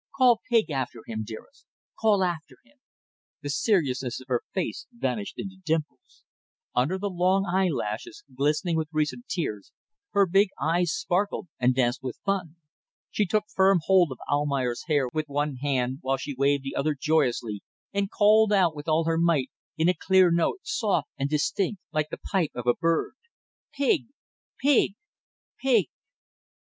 Call 'pig' after him, dearest. Call after him." The seriousness of her face vanished into dimples. Under the long eyelashes, glistening with recent tears, her big eyes sparkled and danced with fun. She took firm hold of Almayer's hair with one hand, while she waved the other joyously and called out with all her might, in a clear note, soft and distinct like the pipe of a bird: "Pig! Pig! Pig!"